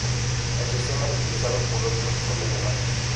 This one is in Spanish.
El sistema es utilizado por los músicos de Alemania.